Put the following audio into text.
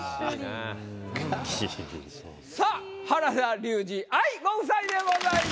さあ原田龍二・愛ご夫妻でございます。